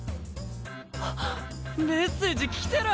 はっメッセージ来てる！